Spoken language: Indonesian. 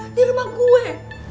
di rumah gue